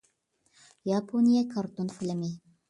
ياپونىيە كارتون فىلىمى